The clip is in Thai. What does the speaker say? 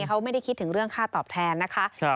เขาไม่ได้คิดถึงเรื่องค่าตอบแทนนะคะ